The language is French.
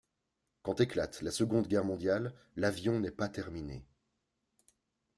Quand éclate la Seconde Guerre mondiale, l’avion n’est pas terminé.